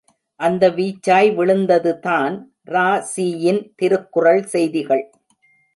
அந்த வீச்சாய் விழுந்ததுதான் ரா.சீ.யின் திருக்குறள் செய்திகள்!